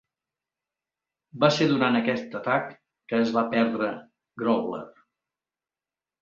Va ser durant aquest atac que es va perdre "Growler".